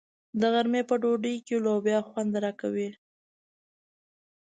د غرمې په ډوډۍ کې لوبیا خوند راکوي.